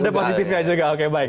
ada positifnya juga oke baik